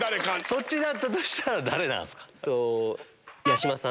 そっちだったとしたら誰なんすか？